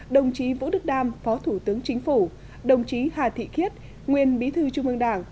đồng chí vũ đức đam phó thủ tướng chính phủ đồng chí hà thị khiết nguyên bí thư trung ương đảng